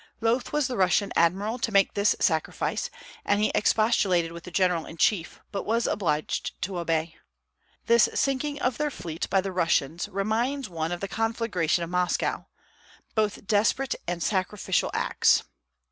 Loath was the Russian admiral to make this sacrifice, and he expostulated with the general in chief, but was obliged to obey. This sinking of their fleet by the Russians reminds one of the conflagration of Moscow, both desperate and sacrificial acts.